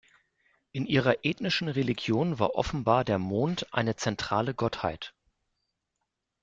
In ihrer ethnischen Religion war offenbar der Mond eine zentrale Gottheit.